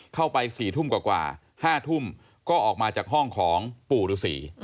เข้าไป๔ทุ่มกว่า๕ทุ่มก็ออกมาจากห้องของปู่ฤษี